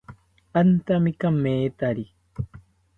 Antami kamethari